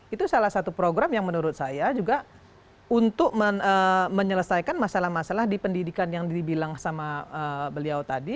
itu salah satu program yang menurut saya juga untuk menyelesaikan masalah masalah di pendidikan yang dibilang sama beliau tadi